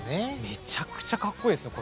めちゃくちゃかっこいいですよ。